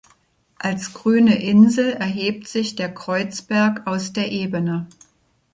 Als grüne Insel erhebt sich der Kreuzberg aus der Ebene.